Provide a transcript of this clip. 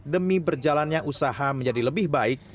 demi berjalannya usaha menjadi lebih baik